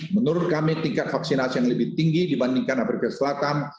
menurut kami tingkat vaksinasi yang lebih tinggi dibandingkan afrika selatan